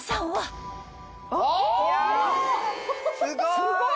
すごい！